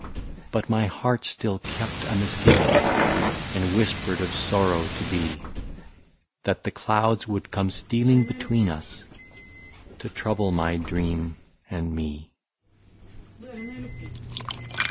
But my heart still kept a misgiving, And whispered of sorrow to be — That the clouds would come stealing between us. To trouble my dream and me.